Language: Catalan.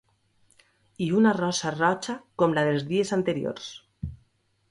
I una rosa roja com la dels dies anteriors.